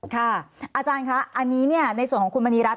อาจารย์คะอันนี้ในส่วนของคุณมณีรัฐ